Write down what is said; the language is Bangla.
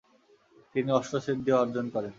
তিনি অষ্টসিদ্ধি অর্জন করেন।